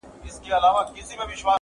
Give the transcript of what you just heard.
o درد له نسل څخه تېرېږي تل,